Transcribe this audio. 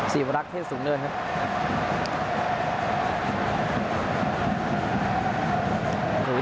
สีบลักษณ์เทศสูงเดินครับ